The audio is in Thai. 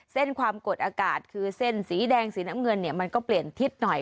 เส้นความกดอากาศคือเส้นสีแดงสีน้ำเงินเนี่ยมันก็เปลี่ยนทิศหน่อย